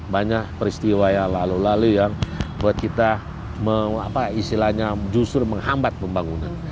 banyak peristiwa yang lalu lalu yang buat kita justru menghambat pembangunan